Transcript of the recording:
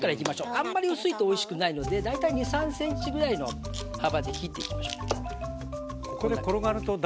あんまり薄いとおいしくないので大体２３ｃｍぐらいの幅で切っていきましょう。